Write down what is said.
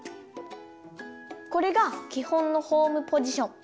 これがきほんのホームポジション。